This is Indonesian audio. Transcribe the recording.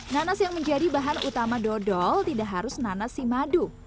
nanas yang menjadi bahan utama dodol tidak harus nanas si madu